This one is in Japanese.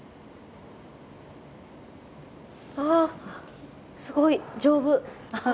あすごい丈夫。